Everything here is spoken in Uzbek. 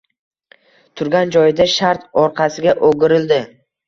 Turgan joyida shart orqasiga o‘girildi